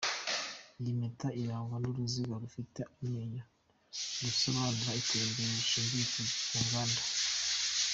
Iyi mpeta irangwa n’uruziga rufite amenyo rusobanura iterambere rishingiye ku nganda.